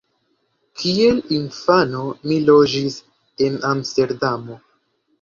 Kiel infano mi loĝis en Amsterdamo.